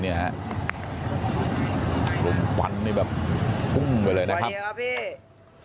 เดี๋ยวไปดูนี่ช่วงที่ไฟลุกไหม้อยู่ลมฟันทุ่งไปเลยนะครับ